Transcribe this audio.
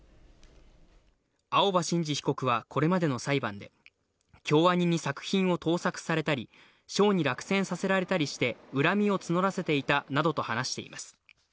青葉真司被告はこれまでの裁判で、京アニに作品を盗作されたり、賞に落選させられたりして、恨みを募らせていたなどと話しています。